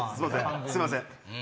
すいません。